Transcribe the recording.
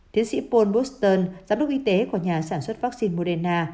tiến sĩ paul buston giám đốc y tế của nhà sản xuất vaccine moderna